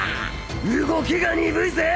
動きが鈍いぜ！